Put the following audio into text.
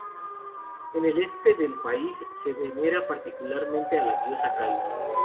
En el este del país se venera particularmente a la diosa Kali.